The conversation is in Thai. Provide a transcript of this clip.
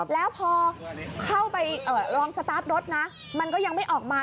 แล้วพอเข้าไปลองสตาร์ทรถนะมันก็ยังไม่ออกมา